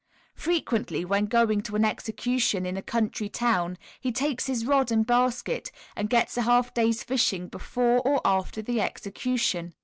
Frequently when going to an execution in a country town he takes his rod and basket, and gets a half day's fishing before or after the execution.